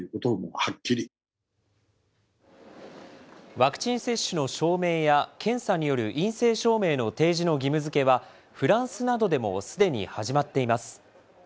ワクチン接種の証明や、検査による陰性証明の提示の義務づけは、フランスなどでもすでに始まっています。